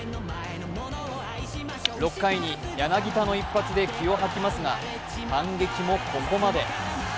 ６回に柳田の一発で気を吐きますが反撃もここまで。